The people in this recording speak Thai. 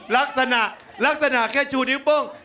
ลักษณะลักษณะแค่ชูนิ้วโป้ง